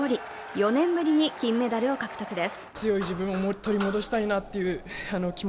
４年ぶりの金メダルを獲得です。